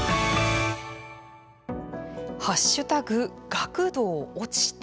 「＃学童落ちた」